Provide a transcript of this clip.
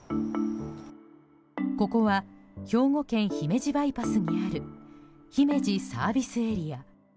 ここは兵庫県姫路バイパスにある姫路ＳＡ。